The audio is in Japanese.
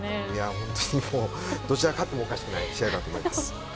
本当にどちらが勝ってもおかしくない試合だと思います。